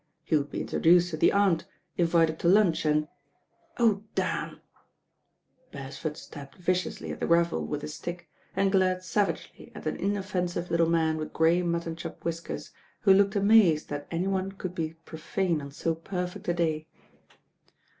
He would be introduced to the aunt, invited to lunch and "Oh, damnl" Beresford stabbed viciously at the gravel with his stick, and glared savagely at an inoffensive little man with grey mutton<hop whiskers, who looked amazed that any one could be profane on so per feet a day.